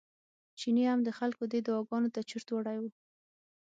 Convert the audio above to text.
چيني هم د خلکو دې دعاګانو ته چورت وړی و.